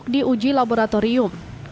yang diduga mengandung narkoba